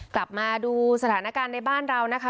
กลับมาดูสถานการณ์ในบ้านเรานะคะ